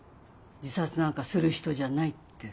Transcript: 自殺なんかする人じゃないって。